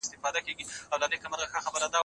ورينه